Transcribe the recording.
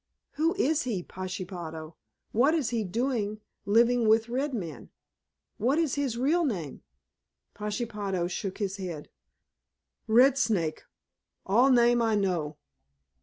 Who is he, Pashepaho? What is he doing living with red men? What is his real name?" Pashepaho shook his head. "Red Snake all name I know.